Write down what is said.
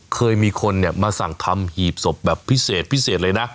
เคยมีคนมาสั่งทำหยีบศพแบบพิเศษเลยนะ